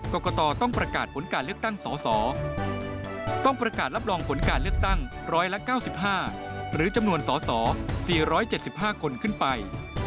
กรกตต้องประกาศผลการเลือกตั้งสสต้องประกาศรับรองผลการเลือกตั้ง๑๙๕หรือจำนวนสส๔๗๕คนขึ้นไป